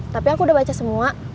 tapi aku udah baca semua